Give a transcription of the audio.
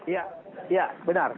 ya ya benar